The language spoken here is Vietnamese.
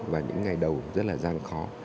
và những ngày đầu rất là gian khó